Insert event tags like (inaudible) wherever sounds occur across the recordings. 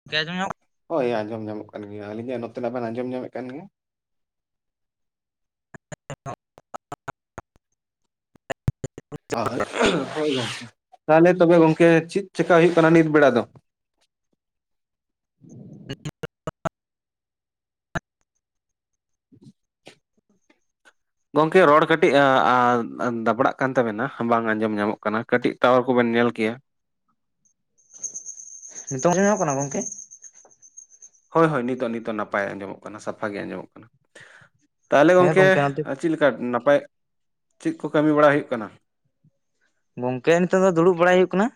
ᱜᱚᱝᱠᱮ ᱟᱸᱡᱚᱢ ᱧᱟᱢᱚᱜᱼᱼ ᱦᱳᱭ ᱟᱸᱡᱚᱢ ᱧᱟᱢᱚᱜ ᱠᱟᱱ ᱜᱮᱭᱟ᱾ ᱟᱹᱞᱤᱧᱟᱜ ᱱᱚᱛᱮ ᱱᱟᱜ ᱵᱮᱱ ᱟᱸᱡᱚᱢ ᱧᱟᱢᱮᱫ ᱠᱟᱱ ᱜᱮᱭᱟ? (unintelligible) ᱦᱳ ᱦᱳᱭ, ᱛᱟᱦᱞᱮ ᱛᱚᱵᱮ ᱜᱚᱝᱠᱮ ᱪᱮᱫ ᱪᱮᱠᱟ ᱦᱩᱭᱩᱜ ᱠᱟᱱᱟ ᱱᱤᱛ ᱵᱮᱲᱟ ᱫᱚ? (unintelligible) (inaudible) ᱜᱚᱝᱠᱮ ᱨᱚᱲ ᱠᱟᱹᱴᱤᱡ ᱮᱸᱻ ᱟᱸᱻ ᱫᱟᱵᱲᱟᱜ ᱠᱟᱱ ᱛᱟᱵᱮᱱᱟ, ᱵᱟᱝ ᱟᱸᱡᱚᱢ ᱧᱟᱢᱚᱜ ᱠᱟᱱᱟ ᱠᱟᱹᱴᱤᱡ ᱴᱟᱣᱟᱨ ᱠᱚ ᱵᱮᱱ ᱧᱮᱞ ᱠᱮᱭᱟ᱾ ᱱᱤᱛᱚᱝ ᱟᱸᱡᱚᱢ ᱧᱟᱢᱚᱜ ᱠᱟᱱᱟ ᱜᱚᱝᱠᱮ? ᱦᱳᱭ ᱦᱳᱭ ᱱᱤᱛᱚᱜ ᱱᱤᱛᱚᱜ ᱱᱟᱯᱟᱭ ᱟᱸᱡᱚᱢᱚᱜ ᱠᱟᱱᱟ, ᱥᱟᱯᱷᱟ ᱜᱮ ᱟᱸᱡᱚᱢᱚᱜ ᱠᱟᱱᱟ᱾ ᱛᱟᱦᱞᱮ ᱦᱮᱸ ᱜᱚᱝᱠᱮᱼᱼ ᱜᱚᱝᱠᱮ ᱱᱚᱛᱮ ᱪᱮᱫ ᱞᱮᱠᱟ ᱱᱟᱯᱟᱭ, ᱪᱮᱫ ᱠᱚ ᱠᱟᱹᱢᱤ ᱵᱟᱲᱟᱭ ᱦᱩᱭᱩᱜ ᱠᱟᱱᱟ? ᱜᱚᱝᱠᱮ ᱱᱤᱛᱚᱜ ᱫᱚ ᱫᱩᱲᱩᱵ ᱵᱟᱲᱟᱭ ᱦᱩᱭᱩᱜ ᱠᱟᱱᱟ,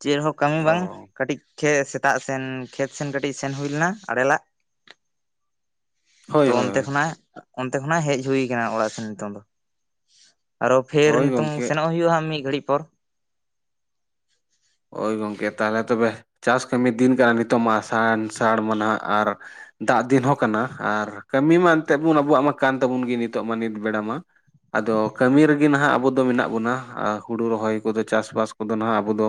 ᱪᱮᱫᱦᱚᱸ ᱠᱟᱹᱢᱤ ᱚ ᱵᱟᱝ ᱠᱟᱹᱴᱤᱡᱼᱼ ᱪᱮ ᱥᱮᱛᱟᱜ ᱥᱮᱱ ᱠᱷᱮᱛ ᱥᱮᱱ ᱠᱟᱹᱴᱤᱡ ᱥᱮᱱ ᱦᱩᱭ ᱞᱮᱱᱟ ᱟᱲᱮ ᱞᱟᱜ᱾ ᱦᱳᱭ ᱛᱚ ᱦᱳᱭ ᱚᱱᱛᱮ ᱦᱳᱭ ᱠᱷᱚᱱᱟᱜᱼᱼ ᱚᱱᱛᱮ ᱠᱷᱚᱱᱟᱜ ᱦᱮᱡ ᱦᱩᱭ ᱠᱟᱱᱟ ᱚᱲᱟᱜ ᱥᱮᱱ ᱱᱤᱛᱚᱝ ᱫᱚ, ᱟᱨᱚ ᱯᱷᱤᱨ ᱦᱳᱭ ᱜᱚᱝᱠᱮ ᱦᱩᱭᱩᱜᱼᱟ ᱦᱟᱸᱜ ᱢᱤᱫ ᱜᱷᱟᱹᱲᱤᱡ ᱯᱚᱨ᱾ ᱳᱭ ᱜᱚᱝᱠᱮ ᱛᱟᱦᱞᱮ ᱛᱚᱵᱮ ᱪᱟᱥ ᱠᱟᱹᱢᱤ ᱫᱤᱱ ᱠᱟᱱᱟ ᱱᱤᱛᱚᱜ ᱢᱟ ᱥᱟᱱ ᱥᱟᱲ ᱢᱟ ᱱᱟᱦᱟᱜ ᱟᱨᱼᱼ ᱫᱟᱜ ᱫᱤᱱ ᱦᱚᱸ ᱠᱟᱱᱟ ᱟᱨ ᱠᱟᱹᱢᱤ ᱢᱟ ᱮᱱᱛᱮᱜ ᱵᱚᱱ ᱟᱵᱩᱣᱟᱜ ᱢᱟ ᱠᱟᱱ ᱛᱟᱵᱩᱱ ᱜᱮ ᱱᱤᱛᱚᱜ ᱢᱟ ᱱᱤᱛ ᱵᱮᱲᱟ ᱢᱟ᱾ ᱟᱫᱚ ᱠᱟᱹᱢᱤ ᱨᱮᱜᱮ ᱱᱟᱦᱟᱜ ᱟᱵᱚ ᱫᱚ ᱢᱮᱱᱟᱜ ᱵᱚᱱᱟ᱾ ᱟᱻ ᱦᱩᱲᱩ ᱨᱚᱦᱚᱭ ᱠᱚᱫᱚ ᱪᱟᱥᱵᱟᱥ ᱠᱚᱫᱚ ᱱᱟᱦᱟᱜ ᱟᱵᱚ ᱫᱚᱼᱼ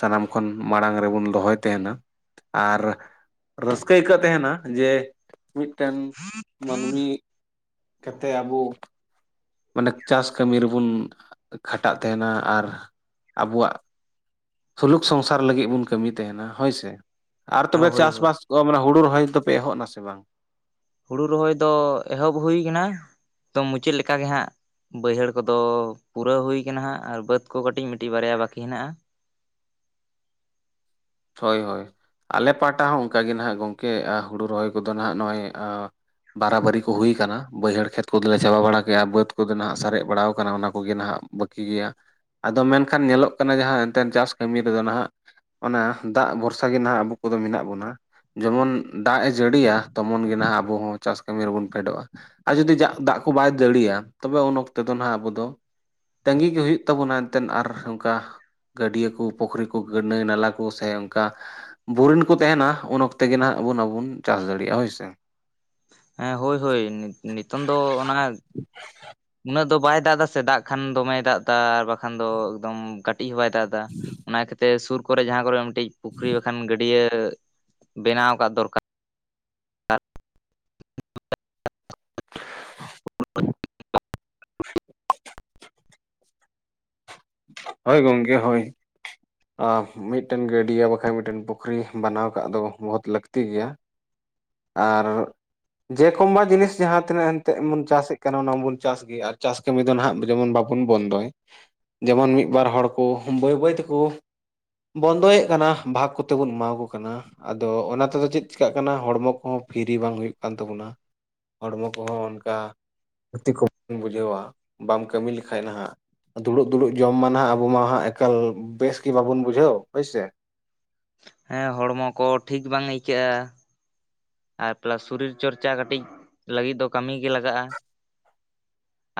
ᱥᱟᱱᱟᱢ ᱠᱷᱚᱱ ᱢᱟᱲᱟᱝ ᱨᱮᱵᱚᱱ ᱫᱚᱦᱚᱭ ᱛᱟᱦᱮᱱᱟ ᱟᱨᱼᱼ ᱨᱟᱹᱥᱠᱟᱹ ᱟᱹᱭᱠᱟᱹᱜ ᱛᱮᱦᱮᱱᱟ ᱡᱮ ᱢᱤᱫᱴᱟᱱ ᱢᱟᱹᱱᱢᱤ ᱠᱟᱛᱮ ᱟᱵᱚ ᱢᱟᱱᱮ ᱪᱟᱥ ᱠᱟᱹᱢᱤ ᱨᱮᱵᱚᱱ ᱠᱷᱟᱴᱟᱜ ᱛᱟᱦᱮᱱᱟ ᱟᱨ ᱟᱵᱚᱣᱟᱜ ᱥᱩᱞᱩᱠ ᱥᱚᱝᱥᱟᱨ ᱞᱟᱹᱜᱤᱫ ᱵᱚᱱ ᱠᱟᱹᱢᱤ ᱛᱟᱦᱮᱱᱟ ᱦᱳᱭᱥᱮ ᱟᱨ ᱛᱚᱵᱮ ᱦᱳᱭ ᱦᱳᱭ ᱪᱟᱥᱵᱟᱥ ᱚ ᱢᱟᱱᱮ ᱦᱩᱲᱩ ᱨᱚᱦᱚᱭ ᱫᱚ ᱯᱮ ᱮᱦᱚᱰ ᱮᱱᱟ ᱥᱮ ᱵᱟᱝ? ᱦᱩᱲᱩ ᱨᱚᱦᱚᱭ ᱫᱚ ᱮᱦᱚᱵ ᱦᱩᱭ ᱠᱟᱱᱟ ᱛᱚ ᱢᱩᱪᱟᱹᱫ ᱞᱮᱠᱟ ᱜᱮ ᱦᱟᱸᱜ᱾ ᱵᱟᱹᱭᱦᱟᱹᱲ ᱠᱚᱫᱚ ᱯᱩᱨᱟᱹᱣ ᱦᱩᱭ ᱟᱠᱟᱱᱟ ᱦᱟᱸᱜ ᱾ ᱟᱨ ᱵᱟᱹᱫ ᱠᱚ ᱠᱟᱹᱴᱤᱡ ᱢᱤᱫᱴᱤᱡ ᱵᱟᱨᱭᱟ ᱵᱟᱹᱠᱤ ᱦᱮᱱᱟᱜᱼᱟ ᱾ ᱦᱳᱭ ᱦᱳᱭ ᱾ ᱟᱞᱮ ᱯᱟᱦᱴᱟ ᱦᱚᱸ ᱚᱝᱠᱟ ᱜᱮ ᱱᱟᱦᱟᱸᱜ ᱜᱚᱝᱠᱮ ᱾ ᱦᱩᱲᱩ ᱨᱚᱦᱚᱭ ᱠᱚᱫᱚ ᱱᱟᱦᱟᱜ ᱱᱚᱜᱼᱚᱭᱼᱼ ᱵᱟᱨᱟᱵᱟᱹᱨᱤ ᱠᱚ ᱦᱩᱭ ᱟᱠᱟᱱᱟ ᱾ ᱵᱟᱹᱭᱦᱟᱹᱲ ᱠᱷᱮᱛ ᱠᱚᱫᱚ ᱞᱮ ᱪᱟᱵᱟ ᱵᱟᱲᱟ ᱠᱮᱫᱼᱟ ᱾ ᱵᱟᱹᱫᱽ ᱠᱚᱫᱚ ᱱᱟᱦᱟᱜ ᱥᱟᱨᱮᱡ ᱵᱟᱲᱟᱣ ᱠᱟᱱᱟ ᱾ ᱚᱱᱟ ᱠᱚᱜᱮ ᱱᱟᱦᱟᱜᱼᱼ ᱵᱟᱹᱠᱤ ᱜᱮᱭᱟ ᱾ ᱟᱫᱚ ᱢᱮᱱᱠᱷᱟᱱ ᱧᱮᱞᱚᱜ ᱠᱟᱱᱟ ᱡᱟᱦᱟᱸ ᱮᱱᱛᱮᱫ ᱪᱟᱥ ᱠᱟᱹᱢᱤ ᱨᱮᱫᱚ ᱱᱟᱦᱟᱜ ᱚᱱᱟᱼᱼ ᱫᱟᱜ ᱵᱷᱚᱨᱥᱟ ᱜᱮ ᱱᱟᱦᱟᱜ ᱟᱵᱚ ᱠᱚᱫᱚ ᱢᱮᱱᱟᱜ ᱵᱚᱱᱟ ᱾ ᱡᱮᱢᱚᱱ ᱫᱟᱜ ᱮ ᱡᱟᱹᱲᱤ ᱭᱟ ᱛᱚᱢᱚᱱ ᱜᱮ ᱱᱟᱦᱟᱜ ᱟᱵᱚ ᱦᱚᱸ ᱪᱟᱥ ᱠᱟᱹᱢᱤ ᱨᱮᱵᱚᱱ ᱯᱷᱮᱰᱚᱜᱼᱟ ᱾ ᱟᱨ ᱡᱩᱫᱤ ᱡᱟᱜ ᱫᱟᱜ ᱠᱚ ᱵᱟᱭ ᱡᱟᱲᱤᱭᱟ ᱛᱚᱵᱮ ᱩᱱ ᱚᱠᱛᱚ ᱫᱚ ᱦᱟᱜ ᱟᱵᱚ ᱫᱚ ᱛᱟᱸᱹᱜᱤ ᱜᱮ ᱦᱩᱭᱩᱜ ᱛᱟᱵᱚᱱᱟ ᱮᱱᱛᱮᱫ ᱾ᱟᱨ ᱱᱚᱝᱠᱟ ᱜᱟᱹᱰᱭᱟᱹ ᱠᱚ ᱯᱩᱠᱷᱨᱤ ᱠᱚ ᱜᱟᱹᱱᱟᱹᱭ ᱱᱟᱞᱟ ᱠᱚ ᱾ ᱥᱮ ᱚᱝᱠᱟ ᱾ ᱵᱳᱨᱤᱱ ᱠᱚ ᱛᱟᱦᱮᱱᱟ ᱩᱱ ᱚᱠᱛᱮ ᱜᱮ ᱱᱟᱦᱟᱜ ᱵᱚᱱ ᱟᱵᱚ ᱵᱚᱱ ᱪᱟᱥ ᱫᱟᱲᱮᱭᱟᱜᱼᱟ ᱦᱳᱭ ᱥᱮ ᱾ ᱮᱸ ᱦᱳᱭ ᱦᱳᱭ ᱱᱤᱛᱚᱝ ᱫᱚ ᱚᱱᱟᱼᱼ ᱩᱱᱟᱹᱜ ᱫᱚ ᱵᱟᱭ ᱫᱟᱜ ᱮᱫᱟ ᱥᱮ ᱾ ᱫᱟᱜ ᱠᱷᱟᱱ ᱫᱚᱢᱮᱭ ᱫᱟᱜ ᱮᱫᱟ᱾ ᱟᱨ ᱵᱟᱠᱷᱟᱱ ᱫᱚ ᱮᱠᱫᱚᱢᱼᱼ ᱠᱟᱹᱴᱤᱡ ᱦᱚᱸ ᱵᱟᱭ ᱫᱟᱜ ᱮᱫᱟ᱾ ᱚᱱᱟ ᱠᱷᱟᱹᱛᱤᱨ ᱥᱩᱨ ᱠᱚᱨᱮ ᱡᱟᱦᱟᱸ ᱠᱚᱨᱮᱜ ᱢᱤᱫᱴᱤᱪ ᱯᱩᱠᱷᱨᱤ ᱵᱟᱠᱷᱟᱱ ᱜᱟᱹᱰᱭᱟᱹᱼᱼ ᱵᱮᱱᱟᱣ ᱠᱟᱜ ᱫᱚᱨᱠᱟᱨ ᱾ (unintelligible) ᱦᱳᱭ ᱜᱚᱝᱠᱮ ᱦᱳᱭ ᱾ ᱟᱦ ᱢᱤᱫᱴᱟᱹᱝ ᱜᱟᱹᱰᱽᱭᱟᱹ ᱵᱟᱠᱷᱟᱱ ᱢᱤᱫᱴᱟᱹᱱ ᱯᱩᱠᱷᱨᱤ ᱵᱮᱱᱟᱣ ᱠᱟᱜ ᱫᱚ ᱵᱚᱦᱚᱛ ᱞᱟᱹᱠᱛᱤ ᱜᱮᱭᱟ ᱾ ᱟᱨ ᱡᱮᱠᱳᱢ ᱵᱟ ᱡᱤᱱᱤᱥ ᱡᱟᱦᱟᱸ ᱛᱤᱱᱟᱹᱜ ᱮᱱᱛᱮᱜ ᱵᱚᱱ ᱪᱟᱥ ᱮᱜ ᱠᱟᱱ ᱚᱱᱟ ᱢᱟᱵᱚᱱ ᱪᱟᱥ ᱜᱮᱭᱟ᱾ ᱟᱨ ᱪᱟᱥᱼᱼ ᱠᱟᱹᱢᱤ ᱫᱚ ᱱᱟᱦᱟᱜ ᱡᱮᱢᱚᱱ ᱵᱟᱵᱚᱱ ᱵᱚᱱᱫᱚᱭ ᱾ ᱡᱮᱢᱚᱱ ᱢᱤᱫ ᱵᱟᱨ ᱦᱚᱲ ᱠᱩ ᱵᱟᱹᱭ ᱵᱟᱹᱭ ᱛᱮᱠᱩᱼᱼ ᱵᱚᱱᱫᱚᱭᱮᱜ ᱠᱟᱱᱟ, ᱵᱷᱟᱜᱽ ᱠᱚᱛᱮ ᱵᱚᱱ ᱮᱢᱟᱣ ᱟᱠᱚ ᱠᱟᱱᱟ᱾ ᱟᱫᱚ ᱚᱱᱟ ᱛᱮᱫᱚ ᱪᱮᱫ ᱪᱤᱠᱟᱜ ᱠᱟᱱᱟ ᱦᱚᱲᱢᱚ ᱠᱚᱦᱚᱸ ᱯᱷᱤᱨᱤ ᱵᱟᱝ ᱦᱩᱭᱩᱜ ᱠᱟᱱ ᱛᱟᱵᱚᱱᱟ᱾ ᱦᱚᱲᱢᱚ ᱠᱚᱦᱚᱸ ᱚᱱᱠᱟ ᱠᱷᱩᱛᱤ ᱠᱚ (inaudible) ᱵᱩᱡᱷᱟᱹᱣᱟ ᱵᱟᱢ ᱠᱟᱹᱢᱤ ᱞᱮᱠᱷᱟᱡ ᱱᱟᱦᱟᱜ ᱾ ᱫᱩᱲᱩᱵ ᱫᱩᱲᱩᱵ ᱡᱚᱢ ᱢᱟ ᱱᱟᱦᱟᱜ ᱟᱵᱚ ᱢᱟ ᱦᱟᱸᱜ ᱮᱠᱟᱞ ᱵᱮᱥ ᱜᱮ ᱵᱟᱵᱚᱱ ᱵᱩᱡᱷᱟᱹᱣ ᱦᱳᱭ ᱥᱮ ᱾ ᱦᱮᱸ ᱦᱚᱲᱢᱚ ᱠᱚ ᱴᱷᱤᱠ ᱵᱟᱝ ᱟᱹᱭᱠᱟᱹᱜᱼᱟ᱾ ᱟᱨ ᱯᱞᱟᱥ ᱥᱩᱨᱤᱨ ᱪᱚᱨᱪᱟ ᱠᱟᱹᱴᱤᱡ ᱞᱟᱹᱜᱤᱫ ᱫᱚ ᱠᱟᱹᱢᱤ ᱜᱮ ᱞᱟᱜᱟᱜᱼᱟ ᱾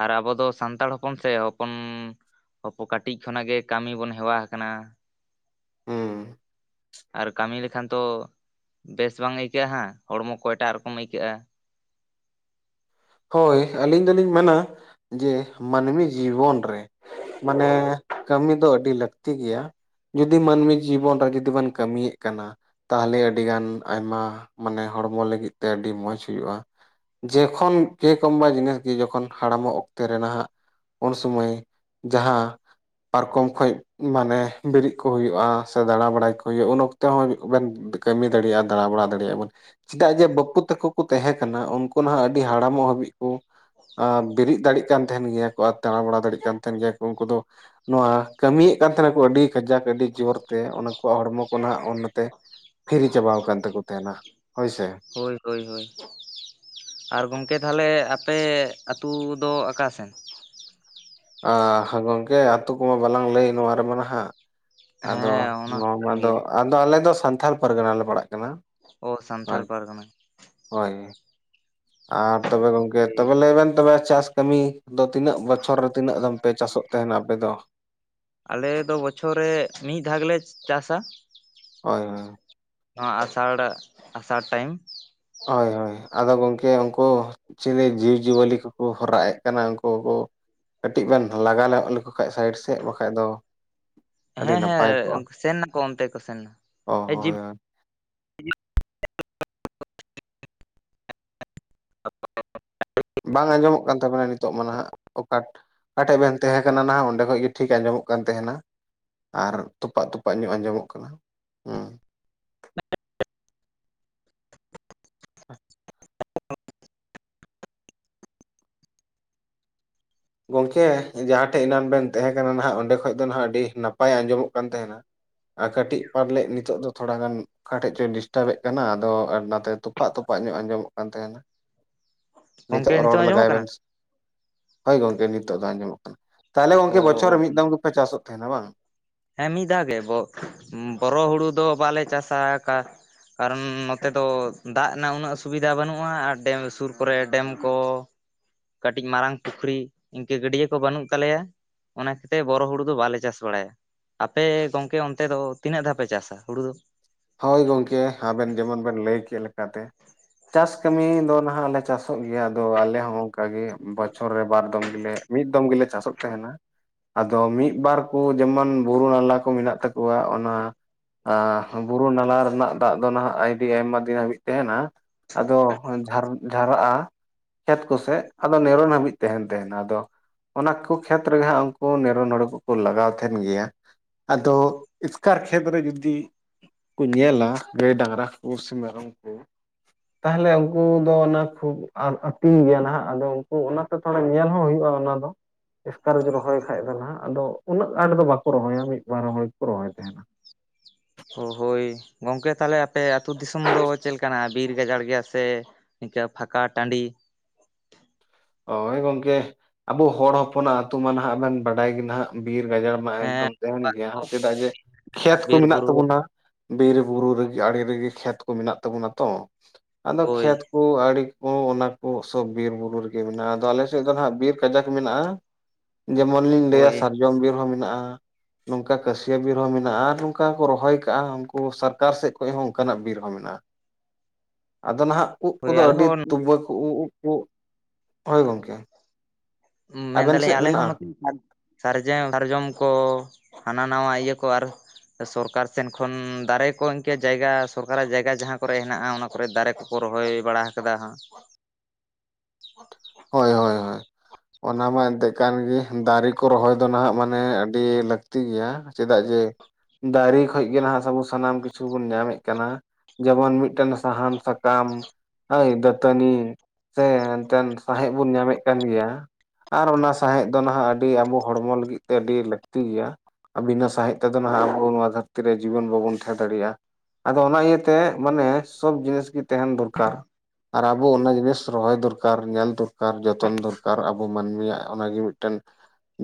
ᱟᱨ ᱟᱵᱚ ᱫᱚ ᱥᱟᱱᱛᱟᱲ ᱦᱚᱯᱚᱱ ᱥᱮ ᱦᱚᱯᱚᱱᱼᱼ ᱦᱚᱯᱚ ᱠᱟᱹᱴᱤᱡ ᱠᱷᱚᱱᱟᱜ ᱜᱮ ᱠᱟᱹᱢᱤ ᱵᱚᱱ ᱦᱮᱣᱟ ᱟᱠᱟᱱᱟ ᱾ ᱦᱩᱸ ᱟᱨ ᱠᱟᱹᱢᱤ ᱞᱮᱠᱷᱟᱱ ᱛᱚ ᱵᱮᱥ ᱵᱟᱝ ᱟᱹᱭᱠᱟᱹᱜᱼᱟ ᱦᱟᱸᱜ ᱾ ᱦᱚᱲᱢᱚ ᱠᱚ ᱮᱴᱟᱜ ᱨᱚᱠᱚᱢ ᱟᱹᱭᱠᱟᱹᱜᱼᱟ ᱾ ᱦᱳᱭ ᱾ ᱟᱹᱞᱤᱧ ᱫᱚᱞᱤᱧ ᱢᱮᱱᱟ ᱡᱮ ᱢᱟᱹᱱᱢᱤ ᱡᱤᱵᱚᱱ ᱨᱮᱼᱼ ᱢᱟᱱᱮ ᱠᱟᱹᱢᱤ ᱫᱚ ᱟᱹᱰᱤ ᱞᱟᱹᱠᱛᱤ ᱜᱮᱭᱟ ᱾ ᱡᱩᱫᱤ ᱢᱟᱹᱱᱢᱤ ᱡᱤᱵᱚᱱ ᱨᱮ (unintelligible) ᱡᱩᱫᱤ ᱵᱮᱱ ᱠᱟᱹᱢᱤᱭᱮᱜ ᱠᱟᱱᱟᱼᱼ ᱛᱟᱦᱚᱞᱮ ᱟᱹᱰᱤ ᱜᱟᱱ ᱟᱭᱢᱟ ᱢᱟᱱᱮ ᱦᱚᱲᱢᱚ ᱞᱟᱹᱜᱤᱫ ᱛᱮ ᱟᱹᱰᱤ ᱢᱚᱸᱡᱽ ᱦᱩᱭᱩᱜᱼᱟ ᱾ ᱡᱮᱠᱷᱚᱱ ᱠᱮ ᱠᱚᱢᱵᱟ ᱡᱤᱱᱤᱥ ᱜᱮ ᱡᱚᱠᱷᱚᱱ ᱦᱟᱲᱟᱢᱚᱜ ᱚᱠᱛᱮ ᱨᱮ ᱱᱟᱦᱟᱜ ᱩᱱᱥᱚᱢᱚᱭ ᱡᱟᱦᱟᱸ ᱯᱟᱨᱠᱚᱢ ᱠᱷᱚᱡ ᱢᱟᱱᱮ ᱵᱤᱨᱮᱫ ᱠᱚ ᱦᱩᱭᱩᱜᱼᱟ ᱥᱮ ᱫᱟᱬᱟ ᱵᱟᱲᱟᱭ ᱠᱚ ᱦᱩᱭᱩᱜᱼᱟ ᱩᱱ ᱚᱠᱛᱮ ᱦᱚᱸ ᱵᱮᱱ ᱠᱟᱹᱢᱤ ᱫᱟᱲᱮᱭᱟᱜᱼᱟ ᱫᱟᱬᱟᱵᱟᱲᱟ ᱫᱟᱲᱮᱭᱟᱜᱼᱟ ᱵᱚᱱ ᱪᱮᱫᱟᱜ ᱡᱮ ᱵᱟᱹᱯᱩ ᱛᱟᱠᱚ ᱠᱚ ᱛᱮᱦᱮᱸ ᱠᱟᱱᱟ ᱩᱱᱠᱩ ᱱᱟᱦᱟᱜ ᱟᱹᱰᱤ ᱦᱟᱲ ᱢᱚᱜ ᱦᱟᱹᱵᱤᱡ ᱠᱚ ᱵᱤᱨᱤᱫ ᱫᱟᱲᱮᱜ ᱠᱟᱱ ᱛᱟᱦᱮᱱ ᱜᱮᱭᱟ ᱠᱚ ᱟᱨ ᱫᱟᱬᱟᱵᱟᱲᱟ ᱫᱟᱲᱮᱜ ᱠᱟᱱ ᱛᱟᱦᱮᱱ ᱜᱮᱭᱟ ᱠᱚ ᱩᱱᱠᱩ ᱫᱚ ᱱᱚᱣᱟ ᱠᱟᱹᱢᱤ ᱭᱮᱫ ᱠᱟᱱ ᱛᱟᱦᱮᱱᱟᱠᱚ ᱟᱹᱰᱤ ᱠᱟᱡᱟᱠ ᱟᱹᱰᱤ ᱡᱳᱨᱛᱮ ᱚᱱᱟᱠᱩᱣᱟᱜ ᱦᱚᱲᱢᱚ ᱠᱚ ᱱᱟᱦᱟᱜ ᱚᱱᱟᱛᱮ ᱯᱷᱤᱨᱤ ᱪᱟᱵᱟ ᱟᱠᱟᱱ ᱛᱟᱠᱚ ᱛᱟᱦᱮᱱᱟ ᱦᱳᱭ ᱥᱮ ᱦᱳᱭ ᱦᱳᱭ ᱦᱳᱭ ᱟᱨ ᱜᱚᱢᱠᱮ ᱛᱟᱦᱞᱮ ᱟᱯᱮ ᱟᱹᱛᱩ ᱫᱚ ᱟᱠᱟ ᱥᱮᱱ ᱟ ᱜᱚᱢᱠᱮ ᱟᱛᱩ ᱠᱚᱢᱟ ᱵᱟᱞᱟᱝ ᱞᱟᱹᱭ ᱱᱚᱣᱟ ᱨᱮᱢᱟ ᱱᱟᱦᱟᱜ ᱟᱫᱚ ᱦᱮᱸ ᱚᱱᱟ ᱦᱚᱸ ᱱᱚᱣᱟ ᱠᱟᱱ ᱢᱟ ᱫᱚ ᱜᱮᱭᱟ ᱟᱫᱚ ᱟᱞᱮ ᱫᱚ ᱥᱟᱱᱛᱷᱟᱞ ᱯᱟᱨᱜᱟᱱᱟ ᱞᱮ ᱯᱟᱲᱟᱜ ᱠᱟᱱᱟ ᱚ ᱥᱟᱱᱛᱷᱟᱞ ᱦᱳᱭ ᱯᱟᱨᱜᱟᱱᱟ ᱦᱳᱭ ᱟᱨ ᱛᱚᱵᱮ ᱜᱚᱝᱠᱮ ᱳᱭ ᱛᱚᱵᱮ ᱞᱟᱹᱭ ᱵᱮᱱ ᱛᱚᱵᱮ ᱪᱟᱥ ᱠᱟᱹᱢᱤ ᱟᱫᱚ ᱛᱤᱱᱟᱹᱜ ᱵᱚᱪᱷᱚᱨ ᱨᱮ ᱛᱤᱱᱟᱹᱜ ᱫᱟᱢ ᱯᱮ ᱪᱟᱥᱚᱜ ᱛᱟᱦᱮᱱᱟ ᱟᱯᱮ ᱫᱚ ᱟᱞᱮ ᱫᱚ ᱵᱚᱪᱷᱚᱨ ᱨᱮ ᱢᱤᱫ ᱫᱷᱟᱣᱞᱮ ᱪᱟᱥᱟ ᱦᱳᱭ ᱦᱳᱭ ᱟᱥᱟᱲ ᱟᱥᱟᱲ ᱴᱟᱭᱤᱢ ᱦᱳᱭ ᱦᱳᱭ ᱟᱫᱚ ᱜᱚᱢᱠᱮ ᱩᱱᱠᱩ ᱪᱤᱞᱮ ᱡᱤᱵᱽᱼᱡᱤᱭᱟᱹᱞᱤ ᱠᱚᱠᱚ ᱦᱚᱨᱟᱜ ᱮᱫ ᱠᱟᱱᱟ ᱩᱱᱠᱩ ᱠᱚ ᱠᱟᱹᱴᱤᱡ ᱵᱮᱱ ᱞᱟᱜᱟ ᱧᱚᱜ ᱞᱮᱠᱚ ᱠᱷᱟᱱᱡ ᱥᱟᱭᱤᱰ ᱥᱮᱫ ᱵᱟᱠᱷᱟᱡ ᱫᱚ ᱟᱹᱰᱤ ᱦᱮᱸ ᱱᱟᱯᱟᱭ ᱠᱚᱜᱼᱟ ᱦᱮᱸ ᱥᱮᱱ ᱱᱟᱠᱚ ᱚᱱᱛᱮ ᱠᱚ ᱥᱮᱱ ᱱᱟ ᱚ ᱡᱤᱵ ᱦᱳᱭ ᱦᱳᱭ ᱵᱟᱝ ᱟᱸᱡᱚᱢᱚᱜ ᱠᱟᱱ ᱛᱟᱵᱚᱱᱟ ᱱᱤᱛᱚᱜ ᱢᱟ ᱱᱟᱦᱟᱜ ᱚᱠᱟᱴ ᱠᱟᱴᱷᱮᱡ ᱵᱮᱱ ᱛᱟᱦᱮᱸ ᱠᱟᱱᱟ ᱱᱟᱦᱟᱜ ᱚᱸᱰᱮ ᱠᱷᱚᱡ ᱜᱮ ᱴᱷᱤᱠ ᱟᱸᱡᱚᱢᱚᱜ ᱠᱟᱱ ᱛᱟᱦᱮᱱᱟ ᱟᱨ ᱛᱚᱯᱟᱜ ᱛᱚᱯᱟᱜ ᱧᱚᱜ ᱟᱸᱡᱚᱢᱚᱜ ᱠᱟᱱᱟ ᱦᱮᱸ ᱦ (inaudible) ᱜᱚᱝᱠᱮ ᱡᱟᱦᱟᱸ ᱴᱷᱮᱡ ᱮᱱᱟᱱ ᱵᱮᱱ ᱛᱟᱦᱮᱸ ᱠᱟᱱᱟ ᱱᱟᱦᱟᱜ ᱚᱸᱰᱮ ᱠᱷᱚᱡ ᱫᱚ ᱱᱟᱦ ᱟᱹᱰᱤ ᱱᱟᱯᱟᱭ ᱟᱸᱡᱚᱢᱚᱜ ᱠᱟᱱ ᱛᱟᱦᱮᱱᱟ ᱟᱨ ᱠᱟᱹᱴᱤᱡ ᱯᱟᱨᱞᱮᱫ ᱱᱤᱛᱚᱜ ᱫᱚ ᱛᱷᱚᱲᱟ ᱜᱟᱱ ᱚᱠᱟᱴᱷᱮ ᱪᱚᱭ ᱰᱤᱥᱴᱟᱵ ᱮᱫ ᱠᱟᱱᱟ ᱟᱫᱚ ᱚᱱᱟᱛᱮ ᱛᱚᱯᱟᱜ ᱛᱚᱯᱟᱜ ᱧᱚᱜ ᱟᱸᱡᱚᱢᱚᱜ ᱠᱟᱱ ᱛᱟᱦᱮᱱᱟ ᱱᱤᱛᱚᱜ ᱜᱚᱝᱠᱮ ᱨᱚᱲ ᱱᱤᱛᱳᱜ ᱞᱮᱜᱟᱭ ᱟᱸᱡᱚᱢᱚᱜ ᱵᱮᱱ ᱠᱟᱱᱟ ᱦᱳᱭ ᱜᱚᱝᱠᱮ ᱱᱤᱛᱚᱜ ᱫᱚ ᱟᱸᱡᱚᱢᱚᱜ ᱠᱟᱱᱟ ᱛᱟᱦᱚᱞᱮ ᱚ ᱜᱚᱝᱠᱮ ᱵᱚᱪᱷᱚᱨ ᱨᱮ ᱢᱤᱫ ᱫᱚᱢ ᱜᱮᱯᱮ ᱪᱟᱥᱚᱜ ᱛᱟᱦᱮᱱᱟ ᱵᱟᱝ ᱦᱮᱸ ᱢᱤᱫ ᱫᱷᱟᱣ ᱜᱮ ᱵᱚᱨᱚ ᱦᱩᱲᱩ ᱫᱚ ᱵᱟᱞᱮ ᱪᱟᱥᱟ ᱠᱟ ᱟᱨ ᱱᱚᱛᱮ ᱫᱚ ᱫᱟᱜ ᱨᱮᱱᱟᱜ ᱩᱱᱟᱹᱜ ᱥᱩᱵᱤᱫᱷᱟ ᱵᱟᱹᱱᱩᱜᱼᱟ ᱟᱨ ᱥᱩᱨ ᱠᱚᱨᱮ ᱰᱮᱢ ᱠᱚ ᱠᱟᱹᱴᱤᱡ ᱢᱟᱨᱟᱝ ᱯᱩᱠᱷᱨᱤ ᱤᱱᱠᱟᱹ ᱜᱟᱹᱰᱭᱟᱹ ᱠᱚ ᱵᱟᱹᱱᱩᱜ ᱛᱟᱞᱮᱭᱟ ᱚᱱᱟ ᱠᱷᱟᱹᱛᱤᱨ ᱵᱚᱨᱚ ᱦᱩᱲᱩ ᱫᱚ ᱵᱟᱞᱮ ᱪᱟᱥ ᱵᱟᱲᱟᱭᱟ ᱟᱯᱮ ᱜᱚᱝᱠᱮ ᱚᱱᱛᱮ ᱫᱚ ᱛᱤᱱᱟᱹᱜ ᱫᱷᱟᱣ ᱯᱮ ᱪᱟᱥᱟ ᱦᱩᱲᱩ ᱫᱚ? ᱦᱳᱭ ᱜᱚᱢᱠᱮ ᱟᱵᱮᱱ ᱡᱮᱢᱚᱱ ᱵᱮᱱ ᱞᱟᱹᱭ ᱠᱮᱫ ᱞᱮᱠᱟᱛᱮ ᱪᱟᱥ ᱠᱟᱹᱢᱤ ᱫᱚ ᱱᱟᱦᱟᱜ ᱞᱮ ᱪᱟᱥᱚᱜ ᱜᱮᱭᱟ ᱟᱫᱚ ᱟᱞᱮ ᱦᱚᱸ ᱚᱱᱠᱟ ᱜᱮ ᱵᱚᱪᱷᱚᱨ ᱨᱮ ᱵᱟᱨ ᱫᱚᱢ ᱜᱮᱞᱮ ᱢᱤᱫ ᱫᱚᱢ ᱜᱮᱞᱮ ᱪᱟᱥᱚᱜ ᱛᱟᱦᱮᱱᱟ ᱟᱫᱚ ᱢᱤᱫ ᱵᱟᱨ ᱠᱚ ᱡᱮᱢᱚᱱ ᱵᱩᱨᱩ ᱱᱟᱞᱟ ᱠᱚ ᱢᱮᱱᱟᱜ ᱛᱟᱠᱚᱣᱟ ᱚᱱᱟ ᱟ ᱵᱩᱨᱩ ᱱᱟᱞᱟ ᱨᱮᱱᱟᱜ ᱫᱟᱜ ᱫᱚ ᱱᱟᱦᱟᱜ ᱟᱹᱰᱤ ᱟᱭᱢᱟ ᱫᱤᱱ ᱦᱟᱹᱵᱤᱡ ᱛᱟᱦᱮᱱᱟ ᱟᱫᱚ ᱡᱷᱟᱨ ᱡᱷᱟᱨᱟᱜᱼᱟ ᱠᱷᱮᱛ ᱠᱚᱥᱮᱫ ᱟᱫᱚ ᱱᱤᱨᱚᱱ ᱦᱟᱹᱵᱤᱡ ᱛᱟᱦᱮᱱ ᱛᱟᱦᱮᱱᱟ ᱟᱫᱚ ᱚᱱᱟ ᱠᱚ ᱠᱷᱮᱛ ᱨᱮᱜᱮ ᱦᱟᱸᱜ ᱩᱱᱠᱩ ᱱᱤᱨᱚᱱ ᱦᱩᱲᱩ ᱠᱚᱠᱚ ᱞᱟᱜᱟᱣ ᱛᱟᱦᱮᱱ ᱜᱮᱭᱟ ᱟᱫᱚ ᱮᱥᱠᱟᱨ ᱠᱷᱮᱛ ᱨᱮ ᱡᱩᱫᱤ ᱠᱚ ᱧᱮᱞᱟ ᱜᱟᱹᱭ ᱰᱟᱝᱨᱟ ᱠᱚ ᱥᱮ ᱢᱮᱨᱚᱢ ᱠᱚ (inaudible) ᱛᱟᱦᱚᱞᱮ ᱩᱱᱠᱩ ᱫᱚ ᱚᱱᱟ ᱠᱷᱩᱵ ᱟᱨ ᱟᱹᱛᱤᱧ ᱜᱮᱭᱟ ᱱᱟᱦᱟᱜ ᱟᱫᱚ ᱩᱱᱠᱩ ᱚᱱᱟᱛᱮ ᱛᱷᱚᱲᱟ ᱧᱮᱞ ᱦᱚᱸ ᱦᱩᱭᱩᱜᱼᱟ ᱚᱱᱟ ᱫᱚ᱾ ᱮᱥᱠᱟᱨ ᱨᱮᱪᱚ ᱨᱚᱦᱚᱭ ᱠᱷᱟᱡ ᱫᱚ ᱱᱟᱦᱟᱜ ᱟᱫᱚ ᱩᱱᱟᱹᱜ ᱟᱴ ᱫᱚ ᱵᱟᱠᱚ ᱨᱚᱦᱚᱭᱟ ᱢᱤᱫ ᱵᱟᱨ ᱦᱚᱭ ᱜᱮᱠᱚ ᱨᱚᱦᱚᱭ ᱛᱟᱦᱮᱸᱱᱟ᱾ ᱚ ᱦᱳᱭ, ᱜᱚᱝᱠᱮ ᱛᱟᱦᱚᱞᱮ ᱟᱯᱮ ᱟᱹᱛᱩ ᱫᱤᱥᱚᱢ ᱫᱚ ᱪᱮᱫ ᱞᱮᱠᱟᱱᱟ ᱵᱤᱨ ᱜᱟᱡᱟᱲ ᱜᱮᱭᱟᱥ ᱛᱮ ᱱᱤᱠᱟ ᱯᱷᱟᱸᱠᱟ ᱴᱟᱺᱰᱤ? ᱚᱭ ᱜᱚᱝᱠᱮ ᱟᱵᱚ ᱦᱚᱲ ᱦᱚᱯᱚᱱᱟᱜ ᱟᱹᱛᱩ ᱢᱟᱱ ᱦᱟᱸᱜ ᱵᱮᱱ ᱵᱟᱰᱟᱭ ᱜᱮᱱ ᱦᱟᱸᱜ ᱵᱤᱨ ᱜᱟᱡᱟᱲ ᱢᱟ ᱦᱮᱸ ᱮᱠᱫᱚᱢ ᱛᱟᱦᱮᱸᱱ ᱜᱮᱭᱟ ᱦᱟᱸᱜ ᱪᱮᱫᱟᱜ ᱡᱮ ᱠᱷᱮᱛ ᱠᱚ ᱵᱤᱨ ᱢᱮᱱᱟᱜ ᱵᱩᱨᱩ ᱨᱮ ᱛᱟᱵᱚᱱᱟ᱾ ᱵᱤᱨ ᱵᱩᱨᱩ ᱨᱮᱜᱮ ᱟᱲᱮ ᱨᱮᱜᱮ ᱠᱷᱮᱛ ᱠᱚ ᱢᱮᱱᱟᱜ ᱛᱟᱵᱚᱱᱟ ᱛᱚ ᱟᱫᱚ ᱦᱳᱭ ᱠᱷᱮᱛ ᱠᱚ ᱟᱹᱲᱤ ᱠᱚ ᱚᱱᱟ ᱠᱚ ᱥᱚᱵ ᱵᱤᱨ ᱵᱩᱨᱩ ᱨᱮᱜᱮ ᱢᱮᱱᱟᱜᱼᱟ ᱟᱫᱚ ᱟᱞᱮ ᱥᱮᱫ ᱫᱚᱱ ᱦᱟᱸᱜ ᱵᱤᱨ ᱠᱟᱡᱟᱠ ᱢᱮᱱᱟᱜᱼᱟ᱾ ᱡᱮᱢᱚᱱ ᱞᱤᱧ ᱞᱟᱹᱭᱟ ᱦᱳᱭ ᱥᱟᱨᱡᱚᱢ ᱵᱤᱨ ᱦᱚᱸ ᱢᱮᱱᱟᱜᱼᱟ᱾ ᱱᱚᱝᱠᱟ ᱠᱟᱹᱥᱭᱟᱹ ᱵᱤᱨ ᱦᱚᱸ ᱢᱮᱱᱟᱜᱼᱟ ᱟᱨ ᱱᱚᱝᱠᱟ ᱠᱚ ᱨᱚᱦᱚᱭ ᱠᱟᱜᱼᱟ ᱩᱱᱠᱩ ᱥᱟᱨᱠᱟᱨ ᱥᱮᱫ ᱠᱷᱚᱡ ᱦᱚᱸ ᱚᱱᱠᱟᱱᱟᱜ ᱵᱤᱨ ᱦᱚᱸ ᱢᱮᱱᱟᱜᱼᱟ᱾ (inaudible) ᱟᱫᱚ ᱱᱟᱦᱟᱜ ᱩᱵ ᱦᱳᱭ ᱠᱚᱫᱚ ᱟᱞᱮ ᱟᱹᱰᱤ ᱦᱚᱸ ᱛᱩᱵᱟᱹᱠ ᱩ ᱩᱵ ᱠᱩ ᱦᱳᱭ ᱜᱚᱝᱠᱮ᱾ ᱢᱮᱱ ᱟᱵᱮᱱ ᱫᱟᱞᱤᱧ ᱥᱮᱫ ᱟᱞᱮ ᱦᱚᱸ ᱢᱮᱱᱟᱜᱼᱟ ᱱᱚᱛᱮ ᱥᱟᱨᱡᱟᱹᱣ ᱥᱟᱨᱡᱚᱢ ᱠᱚ ᱦᱟᱱᱟ ᱱᱟᱣᱟ ᱤᱭᱟᱹ ᱠᱚ ᱟᱨ ᱥᱚᱨᱠᱟᱨ ᱥᱮᱱ ᱠᱷᱚᱱ ᱫᱟᱨᱮ ᱠᱚ ᱤᱱᱠᱟᱹ ᱡᱟᱭᱜᱟ ᱥᱚᱨᱠᱟᱨᱟᱜ ᱡᱟᱭᱜᱟ ᱡᱟᱦᱟᱸ ᱠᱚᱨᱮ ᱦᱮᱱᱟᱜᱼᱟ ᱚᱱᱟ ᱠᱚᱨᱮ ᱫᱟᱨᱮ ᱠᱚ ᱠᱚ ᱨᱚᱦᱚᱭ ᱵᱟᱲᱟᱦ ᱠᱟᱫᱟ ᱦᱟᱸᱜ᱾ ᱦᱳᱭ ᱦᱳᱭ ᱦᱳᱭ᱾ ᱚᱱᱟ ᱢᱟ ᱮᱱᱛᱮᱜ ᱠᱟᱱ ᱜᱮ ᱫᱟᱨᱮ ᱠᱚ ᱨᱚᱦᱚᱭ ᱫᱚ ᱱᱟᱦᱟᱸᱜ ᱢᱟᱱᱮ ᱟᱹᱰᱤ ᱞᱟᱹᱠ ᱛᱤ ᱜᱮᱭᱟ ᱪᱮᱫᱟᱜ ᱡᱮ ᱫᱟᱨᱮ ᱠᱷᱚᱡ ᱜᱮ ᱱᱟᱜ ᱟᱵᱚ ᱥᱟᱱᱟᱢ ᱠᱤᱪᱷᱩ ᱪᱷᱩ ᱵᱚᱱ ᱧᱟᱢᱮᱫ ᱠᱟᱱᱟ ᱡᱮᱢᱚᱱ ᱢᱤᱫᱴᱮᱱ ᱥᱟᱦᱟᱱ ᱥᱟᱠᱟᱢ᱾ ᱦᱳᱭ ᱫᱟᱹᱛᱟᱹᱱᱤ ᱥᱮ ᱮᱱᱛᱮᱱ ᱥᱟᱸᱦᱮᱫ ᱵᱚᱱ ᱧᱟᱢᱮᱫ ᱠᱟᱱ ᱜᱮᱭᱟ᱾ ᱟᱨ ᱚᱱᱟ ᱥᱟᱸᱦᱮᱸᱫ ᱫᱚ ᱱᱟᱦᱟᱸᱜ ᱟᱹᱰᱤ ᱟᱵᱚ ᱦᱚᱲᱢᱚ ᱞᱟᱹᱜᱤᱫ ᱛᱮ ᱟᱹᱰᱤ ᱞᱟᱹᱠᱛᱤ ᱜᱤᱭᱟ᱾ ᱵᱤᱱᱟᱹ ᱥᱟᱸᱦᱮᱫ ᱛᱮᱫᱚᱱ ᱦᱟᱸᱜ ᱟᱵᱚ ᱱᱚᱣᱟ ᱫᱷᱟᱹᱨᱛᱤ ᱨᱮ ᱡᱤᱵᱚᱱ ᱵᱟᱵᱚᱱ ᱛᱟᱦᱮᱸ ᱫᱟᱲᱮᱭᱟᱜᱼᱟ᱾ ᱟᱫᱚ ᱚᱱᱟ ᱤᱭᱟᱹᱛᱮ ᱢᱟᱱᱮ ᱥᱚᱵ ᱡᱤᱱᱤᱥ ᱜᱮ ᱛᱮᱦᱮᱸᱱ ᱫᱚᱨᱠᱟᱨ᱾ ᱟᱨ ᱟᱵᱚ ᱚᱱᱟ ᱡᱤᱱᱤᱥ ᱨᱚᱦᱚᱭ ᱫᱚᱨᱠᱟᱨ ᱧᱮᱞ ᱠᱟᱨ ᱡᱚᱛᱚᱱ ᱫᱚᱨᱠᱟᱨ ᱟᱵᱚ ᱢᱟᱹᱱᱢᱤᱭᱟᱜ ᱚᱱᱟᱜᱮ ᱢᱤᱫᱴᱮᱱ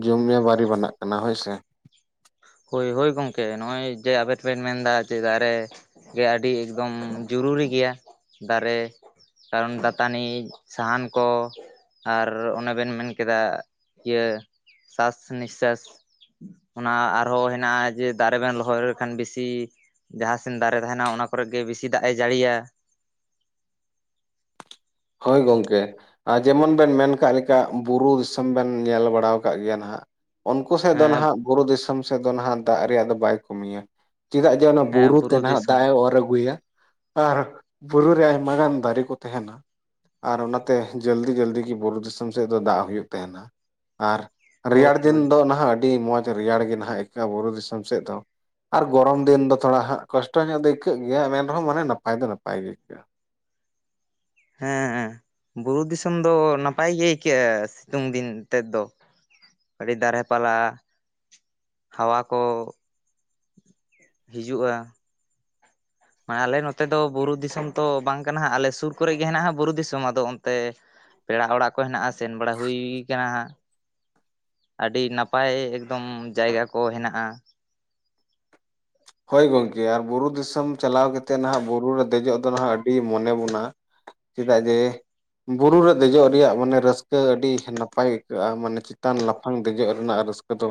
ᱡᱩᱢᱤᱭᱟᱹ ᱵᱟᱨᱤ ᱵᱟᱱᱟᱜ ᱠᱟᱱᱟ ᱦᱳᱭᱥᱮ᱾ ᱦᱳᱭ ᱦᱳᱭ ᱜᱚᱝᱠᱮ ᱱᱚᱜᱼᱚᱭ ᱡᱮ ᱟᱵᱮᱱ ᱵᱮᱱ ᱢᱮᱱᱫᱟ ᱡᱮ ᱫᱟᱨᱮ ᱜᱮ ᱟᱹᱰᱤ ᱮᱠᱫᱚᱢ ᱡᱩᱨᱩᱨᱤ ᱜᱮᱭᱟ ᱫᱟᱨᱮ ᱠᱟᱨᱚᱱ ᱫᱟᱛᱟᱱᱤᱡ ᱥᱟᱦᱟᱱ ᱠᱚ ᱟᱨ ᱮᱱᱮ ᱵᱮᱱ ᱢᱮᱱ ᱠᱮᱫᱟ ᱤᱭᱟᱹ ᱥᱟᱥ ᱱᱤᱥᱥᱟᱥ ᱚᱱᱟ ᱟᱨᱦᱚᱸ ᱦᱮᱱᱟᱜᱼᱟ ᱡᱮ ᱫᱟᱨᱮ ᱵᱮᱱ ᱨᱚᱦᱚᱭ ᱞᱮᱠᱷᱟᱱ ᱵᱮᱥᱤ ᱡᱟᱦᱟᱸ ᱥᱮᱱ ᱫᱟᱨᱮ ᱛᱟᱦᱮᱸᱱᱟ ᱚᱱᱟ ᱠᱚᱨᱮ ᱜᱮ ᱵᱤᱥᱤ ᱫᱟᱜ ᱮ ᱡᱟᱲᱤᱭᱟ᱾ ᱦᱳᱭ ᱜᱚᱝᱠᱮ, ᱟ ᱡᱮᱢᱚᱱ ᱵᱮᱱ ᱢᱮᱱ ᱠᱟᱜ ᱞᱮᱠᱟ ᱵᱩᱨᱩ ᱫᱤᱥᱚᱢ ᱵᱮᱱ ᱧᱮᱞ ᱵᱟᱲᱟᱣ ᱠᱟᱜ ᱜᱮᱭᱟ ᱱᱟᱦᱟᱸᱜ᱾ ᱩᱱᱠᱩ ᱥᱮᱫ ᱫᱚᱱ ᱦᱮᱸ ᱦᱟᱸᱜ ᱵᱩᱨᱩ ᱫᱤᱥᱚᱢ ᱥᱮᱫ ᱫᱚᱱ ᱦᱟᱸᱜ ᱫᱟᱜ ᱨᱮᱭᱟᱜ ᱫᱚ ᱵᱟᱭ ᱠᱚᱢᱤᱭᱟ᱾ ᱪᱮᱫᱟᱜ ᱡᱮ ᱚᱱᱟ ᱦᱮᱸ ᱵᱩᱨᱩ ᱛᱮᱱ ᱦᱟᱸᱜ ᱫᱤᱥᱚᱢ ᱫᱟᱜ ᱮ ᱚᱨ ᱟᱹᱜᱩᱭᱟ᱾ ᱟᱨ ᱵᱩᱨᱩ ᱨᱮ ᱟᱭᱢᱟ ᱜᱟᱱ ᱫᱟᱨᱮ ᱠᱚ ᱛᱟᱦᱮᱸᱱᱟ᱾ ᱟᱨ ᱚᱱᱟᱛᱮ ᱡᱟᱹᱞᱫᱤ ᱡᱟᱹᱞᱫᱤ ᱜᱤ ᱵᱩᱨᱩ ᱫᱤᱥᱚᱢ ᱥᱮᱫ ᱫᱚ ᱫᱟᱜ ᱦᱩᱭᱩᱜ ᱛᱟᱦᱮᱸᱱᱟ ᱟᱨ ᱦᱳᱭ ᱨᱮᱭᱟᱲ ᱫᱤᱱ ᱦᱳᱭ ᱫᱚ ᱱᱟᱦᱟᱸᱜ ᱟᱹᱰᱤ ᱢᱚᱸᱡᱽ ᱨᱮᱭᱟᱲ ᱜᱮ ᱱᱟᱦᱟᱸᱜ ᱟᱹᱭᱠᱟᱹᱜᱼᱟ ᱵᱩᱨᱩ ᱫᱤᱥᱚᱢ ᱥᱮᱫ ᱫᱚ᱾ ᱟᱨ ᱜᱚᱨᱚᱢ ᱫᱤᱱ ᱫᱚ ᱛᱷᱚᱨᱟ ᱦᱟᱸᱜ ᱠᱚᱥᱴᱚ ᱧᱚᱜ ᱫᱚ ᱟᱹᱭᱠᱟᱹᱜ ᱜᱮᱭᱟ ᱢᱮᱱ ᱨᱮᱦᱚᱸ ᱢᱟᱱᱮ ᱱᱟᱯᱟᱭ ᱫᱚ ᱱᱟᱯᱟᱭ ᱜᱮ ᱟᱹᱭᱠᱟᱹᱜᱼᱟ᱾ ᱦᱮᱸ, ᱵᱩᱨᱩ ᱫᱤᱥᱚᱢ ᱫᱚ ᱱᱟᱯᱟᱭ ᱜᱮ ᱟᱹᱭᱠᱟᱹᱜᱼᱟ ᱥᱤᱛᱩᱝ ᱫᱤᱱ ᱛᱮᱫ ᱫᱚ᱾ ᱟᱹᱰᱤ ᱫᱟᱨᱮ ᱯᱟᱞᱟ ᱦᱟᱣᱟ ᱠᱚ ᱦᱤᱡᱩᱜᱼᱟ᱾ ᱟ ᱟᱞᱮ ᱱᱚᱛᱮ ᱫᱚ ᱵᱩᱨᱩ ᱫᱤᱥᱚᱢ ᱛᱚ ᱵᱟᱝ ᱠᱟᱱ ᱦᱟᱸᱜ ᱟᱞᱮ ᱥᱩᱨ ᱠᱚᱨᱮ ᱜᱮ ᱦᱮᱱᱟᱜᱼᱟ ᱦᱟᱸᱜ ᱵᱩᱨᱩ ᱫᱤᱥᱚᱢ ᱟᱫᱚ ᱚᱱᱛᱮ ᱯᱮᱲᱟ ᱚᱲᱟᱜ ᱠᱚ ᱦᱮᱱᱟᱜᱼᱟ ᱥᱮᱱ ᱵᱟᱲᱟ ᱦᱩᱭ ᱠᱟᱱᱟ ᱦᱟᱸᱜ᱾ ᱟᱹᱰᱤ ᱱᱟᱯᱟᱭ ᱮᱠᱫᱚᱢ ᱡᱟᱭᱜᱟ ᱠᱚ ᱦᱮᱱᱟᱜᱼᱟ᱾ ᱦᱳᱭ ᱜᱚᱝᱠᱮ ᱟᱨ ᱵᱩᱨᱩ ᱫᱤᱥᱚᱢ ᱪᱟᱞᱟᱣ ᱠᱟᱛᱮᱫ ᱱᱟᱦᱟᱭᱜ ᱵᱩᱨᱩ ᱨᱮ ᱫᱮᱡᱚᱜ ᱫᱚ ᱱᱟᱦᱟᱸᱜ ᱟᱹᱰᱤ ᱢᱚᱱᱮ ᱵᱚᱱᱟ᱾ ᱪᱮᱫᱟᱜ ᱡᱮ ᱵᱩᱨᱩ ᱨᱮ ᱫᱮᱡᱚᱜ ᱨᱮᱭᱟᱜ ᱢᱟᱱᱮ ᱨᱟᱹᱥᱠᱟᱹ ᱟᱹᱰᱤ ᱱᱟᱯᱟᱭ ᱟᱹᱭᱠᱟᱹᱜᱼᱟ ᱢᱟᱱᱮ ᱪᱮᱛᱟᱱ ᱞᱟᱯᱷᱟᱝ ᱫᱮᱡᱚᱜ ᱨᱮᱱᱟᱜ ᱨᱟᱹᱥᱠᱟᱹ ᱠᱚᱫᱚ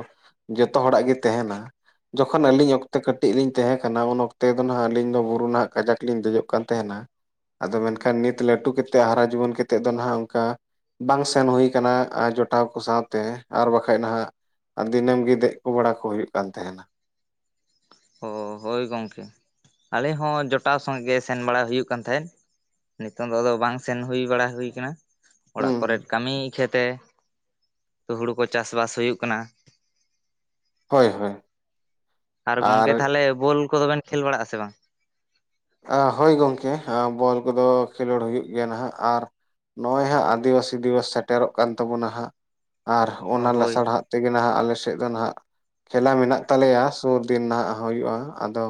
ᱡᱚᱛᱚ ᱦᱚᱲᱟᱜ ᱜᱮ ᱛᱮᱦᱮᱸᱱᱟ ᱡᱚᱠᱷᱚᱱ ᱟᱹᱞᱤᱧ ᱚᱠ ᱠᱟᱹᱴᱤᱡ ᱞᱤᱧ ᱛᱟᱦᱮᱸ ᱠᱟᱱᱟ ᱩᱱ ᱚᱠᱛᱮ ᱫᱚ ᱱᱷᱟᱜ ᱟᱹᱞᱤᱧ ᱫᱚ ᱵᱩᱨᱩ ᱱᱟᱦᱟᱸᱜ ᱠᱟᱡᱟᱠ ᱞᱤᱧ ᱫᱮᱡᱚᱜ ᱠᱟᱱ ᱛᱟᱦᱮᱱᱟ᱾ ᱟᱫᱚ ᱢᱮᱱᱠᱷᱟᱱ ᱱᱤᱛ ᱞᱟᱹᱴᱩ ᱠᱟᱛᱮᱫ ᱦᱟᱨᱟ ᱡᱩᱣᱟᱹᱱ ᱠᱟᱛᱮᱫ ᱫᱚ ᱱᱟᱦᱟᱸᱜ ᱚᱱᱠᱟ ᱵᱟᱝ ᱥᱮᱱ ᱦᱩᱭ ᱠᱟᱱᱟ ᱡᱚᱴᱟᱣ ᱠᱚ ᱥᱟᱶᱛᱮ ᱟᱨ ᱵᱟᱠᱷᱟᱡ ᱱᱟᱦᱟᱸᱜ ᱟᱨ ᱫᱤᱱᱟᱹᱢ ᱜᱮ ᱫᱮᱡ ᱠᱚ ᱵᱟᱲᱟ ᱠᱚ ᱦᱩᱭᱩᱜ ᱠᱟᱱ ᱛᱟᱦᱮᱸᱱᱟ᱾ ᱚ ᱦᱳᱭ ᱜᱚᱢᱠᱮ ᱟᱞᱮ ᱦᱚᱸ ᱡᱚᱴᱟᱣ ᱥᱚᱸᱜᱮ ᱜᱮ ᱥᱮᱱ ᱵᱟᱲᱟᱭ ᱦᱩᱭᱩᱜ ᱠᱟᱱ ᱛᱟᱦᱮᱸᱫ ᱱᱤᱛᱚᱝ ᱫᱚ ᱟᱫᱚ ᱵᱟᱝ ᱥᱮᱱ ᱦᱩᱭ ᱵᱟᱲᱟ ᱦᱩᱭ ᱟᱠᱟᱱᱟ ᱚᱲᱟᱜ ᱠᱚᱨᱮᱫ ᱦᱩᱸ ᱠᱟᱹᱢᱤ ᱤᱠᱷᱟᱹᱛᱮ ᱦᱩᱲᱩ ᱠᱚ ᱪᱟᱥᱵᱟᱥ ᱦᱩᱭᱩᱜ ᱠᱟᱱᱟ ᱦᱳᱭ ᱦᱳᱭ ᱟᱨ ᱜᱚᱝᱠᱮ ᱛᱟᱦᱚᱞᱮ ᱵᱚᱞ ᱠᱚᱫᱚ ᱵᱮᱱ ᱠᱷᱮᱞ ᱵᱟᱲᱟᱜᱼᱟ ᱥᱮ ᱵᱟᱝ ᱦᱳᱭ ᱜᱚᱢᱠᱮ ᱵᱚᱞ ᱠᱚᱫᱚ ᱠᱷᱮᱞᱳᱰ ᱦᱩᱭᱩᱜ ᱜᱮᱭᱟ ᱱᱟᱦᱟᱸᱜ ᱟᱨ ᱱᱚᱜᱼᱚᱸᱭ ᱦᱟᱸᱜ ᱟᱹᱫᱤᱵᱟᱹᱥᱤ ᱫᱤᱵᱚᱥ ᱥᱮᱴᱮᱨᱚᱜ ᱠᱟᱱ ᱛᱟᱵᱚᱱᱟ ᱦᱟᱸᱜ ᱟᱨ ᱚ ᱚᱱᱟ ᱦᱳᱭ ᱞᱟᱥᱟᱲᱦᱟᱸᱜ ᱛᱮᱜᱮ ᱱᱟᱦᱟᱸᱜ ᱟᱞᱮᱥᱮᱫ ᱫᱚ ᱱᱟᱦᱟᱸᱜ ᱠᱷᱮᱞᱟ ᱢᱮᱱᱟᱜ ᱛᱟᱞᱮᱭᱟ ᱥᱩᱨ ᱫᱤᱱ ᱱᱟᱦᱟᱸᱜ ᱦᱩᱭᱩᱜᱼᱟ ᱟᱫᱚ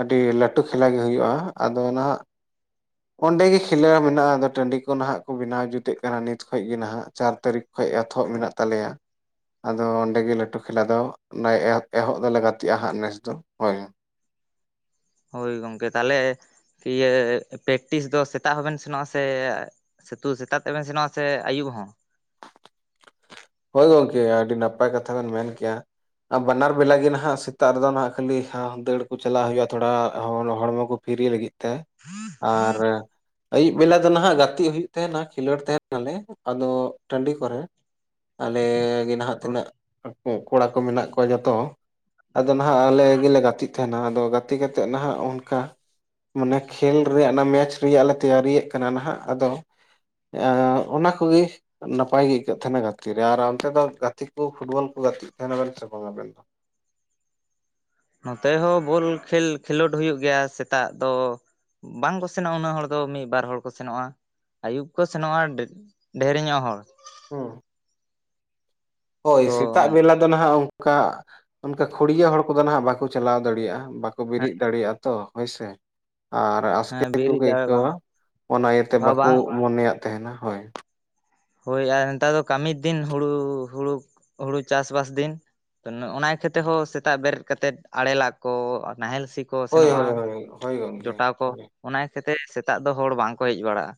ᱟᱹᱰᱤ ᱞᱟᱹᱴᱩ ᱠᱷᱮᱞᱟ ᱜᱮ ᱦᱩᱭᱩᱜᱼᱟ ᱟᱫᱚ ᱱᱟᱦᱟᱸᱜ ᱚᱸᱰᱮ ᱜᱮ ᱠᱷᱮᱞᱳ ᱢᱮᱱᱟᱜᱼᱟ ᱟᱫᱚ ᱴᱟᱺᱰᱤ ᱠᱚ ᱱᱟᱦᱟᱸᱜ ᱠᱚ ᱵᱮᱱᱟᱣ ᱡᱩᱛᱮᱜ ᱠᱟᱱᱟ ᱱᱤᱛ ᱠᱷᱚᱡ ᱜᱮ ᱱᱟᱦᱟᱸᱜ ᱪᱟᱨ ᱛᱟᱹᱨᱤᱠᱷ ᱠᱷᱚᱡ ᱮᱛᱚᱦᱚᱵ ᱢᱮᱱᱟᱜ ᱛᱟᱞᱮᱭᱟ᱾ ᱟᱫᱚ ᱚᱸᱰᱮ ᱜᱮ ᱞᱟᱹᱴᱩ ᱠᱷᱮᱞᱟ ᱫᱚ ᱮᱦᱚᱵ ᱫᱚᱞᱮ ᱜᱟᱛᱮᱜᱼᱟ ᱦᱟᱸᱜ ᱱᱮᱥ ᱫᱚ ᱦᱳᱭ ᱦᱳᱭ ᱜᱚᱢᱠᱮ ᱛᱟᱦᱚᱞᱮ ᱤᱭᱟᱹ ᱯᱮᱠᱴᱤᱥ ᱫᱚ ᱥᱮᱛᱟᱜ ᱦᱚᱸᱵᱮᱱ ᱥᱮᱱᱚᱜᱼᱟ ᱥᱮ ᱥᱤᱛᱳ ᱥᱮᱛᱟᱜ ᱛᱮᱵᱮᱱ ᱥᱮᱱᱚᱜᱼᱟ ᱥᱮ ᱟᱹᱭᱩᱵ ᱦᱚᱸ? ᱦᱳᱭ ᱜᱚᱝᱠᱮ ᱟᱹᱰᱤ ᱱᱟᱯᱟᱭ ᱠᱟᱛᱷᱟ ᱵᱮᱱ ᱢᱮᱱ ᱠᱮᱼᱟ᱾ ᱟᱨ ᱵᱟᱱᱟᱨ ᱵᱮᱞᱟ ᱜᱮ ᱱᱟᱦᱟᱜ ᱥᱮᱛᱟᱜ ᱨᱮᱫᱚ ᱱᱟᱦᱟᱜ ᱠᱷᱟᱹᱞᱤ ᱫᱟᱹᱲ ᱠᱚ ᱪᱟᱞᱟᱜ ᱦᱩᱭᱩᱜᱼᱟ ᱛᱷᱚᱲᱟ ᱦᱚᱲᱢᱚ ᱠᱚ ᱯᱷᱤᱨᱤ ᱞᱟᱹᱜᱤᱫ ᱛᱮ, ᱟᱨ ᱟᱭᱩᱵ ᱵᱮᱞᱟ ᱫᱚ ᱱᱟᱦᱟᱜ ᱜᱟᱛᱮᱜ ᱦᱩᱭᱩᱜ ᱛᱟᱦᱮᱱᱟ ᱠᱷᱮᱞᱳᱰ ᱛᱟᱦᱮ ᱱᱟᱞᱮ ᱟᱫᱚ ᱴᱟᱺᱰᱤ ᱠᱚᱨᱮ ᱟᱞᱮᱻ ᱜᱮ ᱱᱟᱦᱟᱜ ᱛᱤᱱᱟᱹᱜ ᱠᱚᱲᱟ ᱠᱚ ᱢᱮᱱᱟᱜ ᱠᱚᱣᱟ ᱡᱚᱛᱚ ᱟᱫᱚ ᱱᱟᱦᱟᱜ ᱟᱞᱮ ᱜᱮᱞᱮ ᱜᱟᱛᱮᱜ ᱛᱟᱦᱮᱱᱟ ᱟᱫᱚ ᱜᱟᱛᱮ ᱠᱟᱛᱮᱫ ᱱᱟᱦᱟᱜ ᱚᱱᱠᱟ ᱢᱟᱱᱮ ᱠᱷᱮᱞ ᱨᱮᱭᱟᱜ ᱚᱱᱟ ᱢᱮᱪ ᱨᱮᱭᱟᱜ ᱞᱮ ᱛᱮᱭᱟᱨᱤᱭᱮᱫ ᱠᱟᱱᱟ ᱱᱟᱦᱟᱜ ᱟᱫᱚ ᱚᱱᱟ ᱠᱚᱜᱮ ᱱᱟᱯᱟᱭ ᱜᱮ ᱟᱹᱭᱠᱟᱹᱜ ᱛᱟᱦᱮᱱᱟ ᱜᱟᱛᱮ᱾ ᱛᱤᱨ ᱨᱮ ᱟᱨ ᱚᱱᱛᱮ ᱫᱚ ᱜᱟᱛᱮ ᱠᱚ ᱯᱷᱩᱴᱵᱚᱞ ᱠᱚ ᱜᱟᱛᱮᱜ ᱛᱟᱦᱮᱱᱟ ᱵᱮᱱ ᱥᱮ ᱵᱟᱝ ᱟᱵᱮᱱ ᱫᱚ᱾ ᱱᱚᱛᱮ ᱦᱚᱸ ᱵᱚᱞ ᱠᱷᱮᱞ ᱠᱷᱮᱞᱳᱰ ᱦᱩᱭᱩᱜ ᱜᱮᱭᱟ ᱥᱮᱛᱟᱜ ᱫᱚ᱾ ᱵᱟᱝᱠᱚ ᱥᱮᱱᱚᱜᱼᱟ ᱩᱱᱟᱹᱜ ᱦᱚᱲ ᱫᱚ ᱢᱤᱫᱵᱟᱨ ᱦᱚᱲ ᱠᱚ ᱥᱮᱱᱚᱜᱼᱟ᱾ ᱟᱹᱭᱩᱵ ᱠᱚ ᱥᱮᱱᱚᱜᱼᱟ ᱰᱷᱮᱨ ᱧᱚᱜ ᱦᱚᱲ᱾ ᱦᱩᱸ᱾ ᱦᱳᱭ ᱛᱚ ᱥᱮᱛᱟᱜ ᱵᱮᱞᱟ ᱫᱚ ᱱᱟᱦᱟᱜ ᱚᱱᱠᱟ ᱚᱱᱠᱟ ᱠᱷᱩᱲᱭᱟᱹ ᱦᱚᱲ ᱠᱚᱫᱚ ᱦᱟᱜ ᱵᱟᱠᱚ ᱪᱟᱞᱟᱣ ᱫᱟᱲᱮᱭᱟᱜᱼᱟ ᱵᱟᱠᱚ ᱵᱮᱨᱮᱫ ᱫᱟᱲᱮᱭᱟᱜᱼᱟ ᱛᱚ ᱦᱳᱭᱥᱮ᱾ ᱟᱨ ᱦᱮᱸ ᱟᱥᱠᱮᱛ ᱜᱮᱠᱚ ᱵᱮᱨᱮᱫ ᱫᱟᱲᱮ ᱵᱟᱝ ᱟᱹᱭᱠᱟᱹᱣᱟ ᱚᱱᱟ ᱤᱭᱟᱹᱛᱮ ᱵᱟᱠᱚ ᱵᱟᱝ ᱢᱚᱱᱮᱭᱟᱜ ᱛᱟᱦᱮᱱᱟ ᱦᱳᱭ᱾ ᱦᱳᱭ ᱟᱨ ᱱᱮᱛᱟᱨ ᱫᱚ ᱠᱟᱹᱢᱤ ᱫᱤᱱ ᱦᱩᱲᱩ ᱦᱩᱲᱩ ᱦᱩᱲᱩ ᱪᱟᱥ ᱵᱟᱥ ᱫᱤᱱ ᱚᱱᱟ ᱤᱠᱷᱟᱹ ᱛᱮᱦᱚᱸ ᱥᱮᱛᱟᱜ ᱵᱮᱨᱮᱫ ᱠᱟᱛᱮᱜ ᱟᱲᱮᱟᱜ ᱠᱚ ᱱᱟᱦᱮᱞ ᱥᱤ ᱠᱚ ᱦᱳᱭ ᱥᱮᱱᱚᱜᱼᱟ ᱦᱳᱭ ᱦᱳᱭ ᱦᱳᱭ ᱜᱚᱢᱠᱮ ᱡᱚᱴᱟᱣ ᱠᱚ ᱦᱳᱭ ᱚᱱᱟ ᱠᱷᱟᱹᱛᱤᱨ ᱥᱮᱛᱟᱜ ᱫᱚ ᱦᱚᱲ ᱵᱟᱝᱠᱚ ᱦᱮᱡ ᱵᱟᱲᱟᱜᱼᱟ᱾